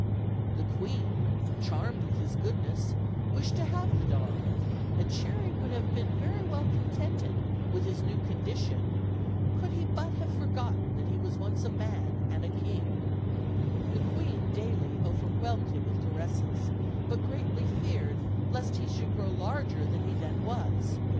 The queen, charmed with his good ness, wished to have the dog; and Cherry would have been very well contented with his new condition, could he but have forgotten that he was once a man and a king The queen daily overwhelmed him with caresses, but greatly feared lest he should grow larger than he then was.